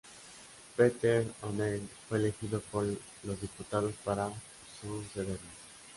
Peter O'Neill fue elegido por los diputados para sucederlo.